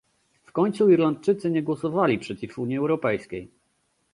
W końcu Irlandczycy nie głosowali przeciw Unii Europejskiej